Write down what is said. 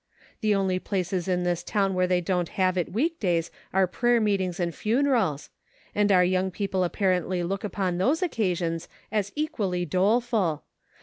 '' The only places in this town where they don't have it week days are prayer meetings and funerals ; and our young peo ple apparently look upon those occasions as equally doleful.